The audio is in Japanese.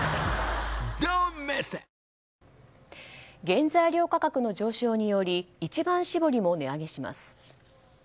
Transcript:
原材料価格の上昇により一番搾りも値上げします。